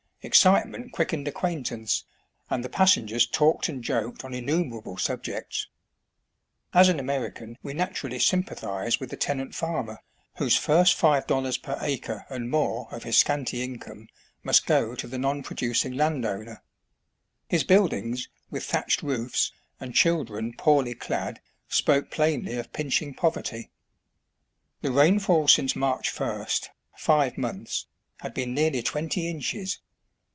Excitement quickened acquaintance, and the passengers talked and joked on innumerable subjects. As an Ameri can we naturally sympathised with the tenant farmer, whose first five dollars per acre and more of his scanty income must go to the non producing landowner. His buildings, with thatched roofs, and children, poorly clad, spoke plainly of pinching poverty. The rainfall since March first, five months, had been nearly twenty inches.